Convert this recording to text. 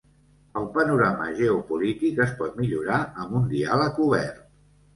El panorama geopolític es pot millorar amb un diàleg obert.